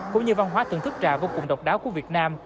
cũng như văn hóa thưởng thức trà vô cùng độc đáo của việt nam